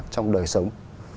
trong đời sống